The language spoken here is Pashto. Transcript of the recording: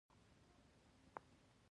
کله چې شیام مرکزي دولت په جوړولو بریالی شو